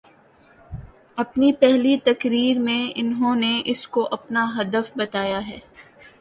اپنی پہلی تقریر میں انہوں نے اس کو اپناہدف بتایا ہے۔